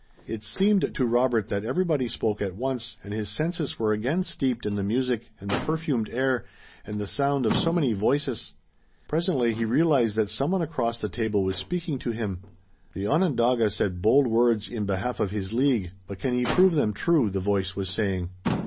It seemed to Robert that everybody spoke at once, and his senses were again steeped in the music and the perfumed air, and the sound of so many voices. Presently he realized that some one across the table was speaking to him. "The Onondaga said bold words in behalf of his league, but can he prove them true?" the voice was saying.